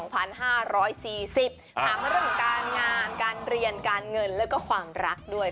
ถามเรื่องการงานการเรียนการเงินแล้วก็ความรักด้วย